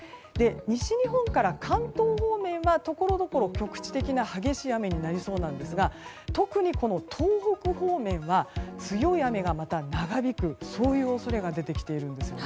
西日本から関東方面はところどころ局地的な激しい雨になりそうなんですが特に東北方面は強い雨が長引く恐れが出てきているんです。